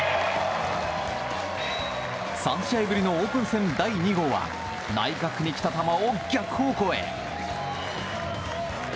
３試合ぶりのオープン戦第２号は内角に来た球を逆方向へ。